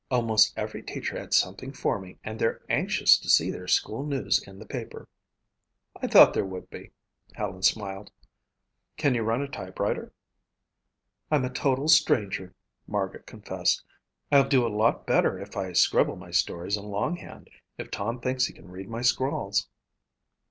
"Almost every teacher had something for me and they're anxious to see their school news in the paper." "I thought they would be," Helen smiled. "Can you run a typewriter?" "I'm a total stranger," Margaret confessed. "I'll do a lot better if I scribble my stories in longhand, if Tom thinks he can read my scrawls."